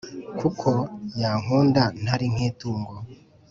Kuko yankunda ntari nkitungo